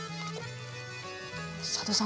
佐渡さん